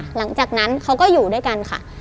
หลังจากนั้นเขาก็อยู่ด้วยกันค่ะ